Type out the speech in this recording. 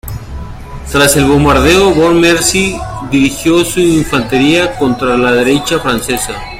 Tras el bombardeo von Mercy dirigió su infantería contra la derecha francesa.